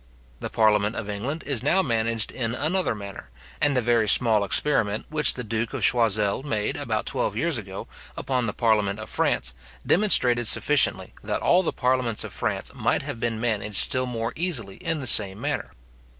The parliament of England is now managed in another manner; and a very small experiment, which the duke of Choiseul made, about twelve years ago, upon the parliament of Paris, demonstrated sufficiently that all the parliaments of France might have been managed still more easily in the same manner.